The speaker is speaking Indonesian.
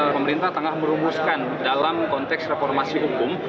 pemerintah tengah merumuskan dalam konteks reformasi hukum